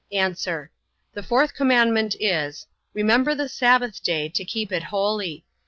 A. The fourth commandment is, Remember the sabbath day, to keep it holy.